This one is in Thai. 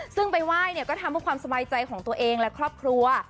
ซึ่งไปไหว้เนี่ยก็ทำเพื่อความสบายใจของตัวเองและครอบครัว